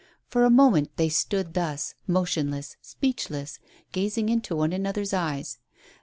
For a moment they stood thus, motionless, speechless, gazing into one another's eyes.